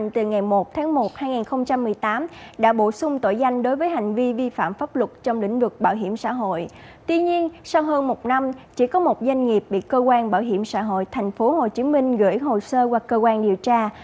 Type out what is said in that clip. tuy nhiên sau hơn một năm chỉ có một doanh nghiệp bị cơ quan bảo hiểm xã hội tp hcm gửi hồ sơ qua cơ quan điều tra